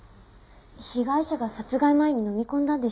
被害者が殺害前にのみ込んだんでしょうか？